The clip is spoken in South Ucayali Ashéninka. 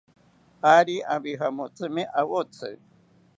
Ari abijamotsimi awotzi